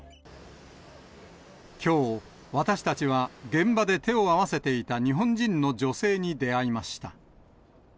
きょう、私たちは、現場で手を合わせていた日本人の女性に出会いました。